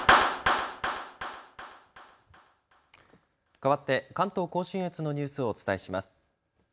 かわって関東甲信越のニュースをお伝えします。